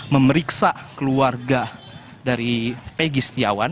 memeriksa keluarga dari pegi setiawan